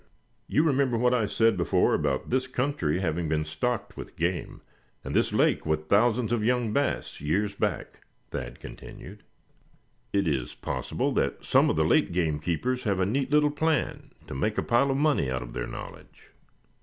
"You remember what I said before about this country having been stocked with game, and this lake with thousands of young bass years back?" Thad continued. "It is possible that some of the late gamekeepers have a neat little plan to make a pile of money out of their knowledge.